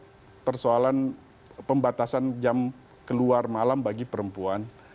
ini persoalan pembatasan jam keluar malam bagi perempuan